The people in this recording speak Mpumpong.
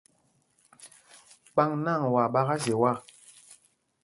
Kpaŋ nǎŋ, waa ɓaka zye wak.